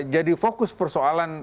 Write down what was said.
jadi fokus persoalan